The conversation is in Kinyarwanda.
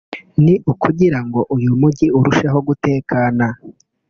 ni ukugira ngo uyu mujyi urusheho gutekana